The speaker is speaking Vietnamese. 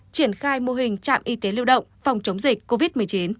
triển khai mô hình trạm y tế lưu động phòng chống dịch covid một mươi chín